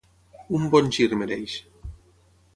Un bon gir mereix